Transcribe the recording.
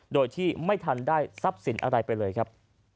โดยที่ไม่ทันได้ทรัพย์สินอะไรไปเลยครับ